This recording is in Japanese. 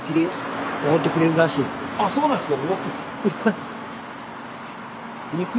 あっそうなんですか。